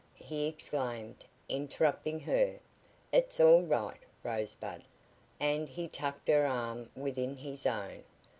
he exclaimed, interrupting her. "It's all right, Rosebud," and he tucked her arm within his own.